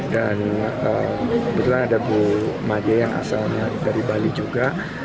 dan kebetulan ada bu maje yang asalnya dari bali juga